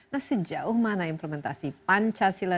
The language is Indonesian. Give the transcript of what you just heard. nah sejauh mana implementasi pancasila